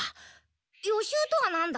予習とはなんだ？